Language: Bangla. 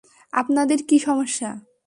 আপনাদের কি সমস্যা?